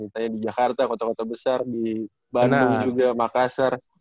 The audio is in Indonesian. misalnya di jakarta kota kota besar di bandung juga makassar